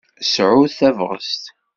Sɛut tabɣest!